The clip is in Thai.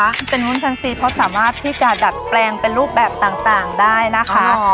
เป็นวุ้นแฟนซีเพราะสามารถที่จะดัดแปลงเป็นรูปแบบต่างได้นะคะ